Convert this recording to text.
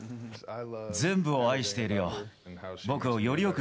全部を愛しているよ。